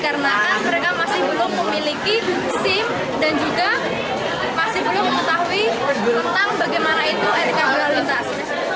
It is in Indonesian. karena mereka masih belum memiliki sim dan juga masih belum mengetahui tentang bagaimana itu etika lalu lintas